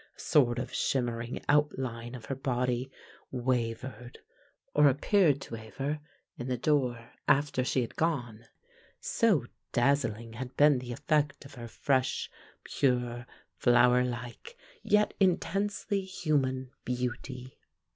A sort of shimmering outline of her body wavered or appeared to waver in the door after she had gone, so dazzling had been the effect of her fresh, pure, flower like, yet intensely human, beauty.